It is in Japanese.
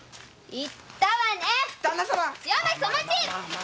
言ったわね！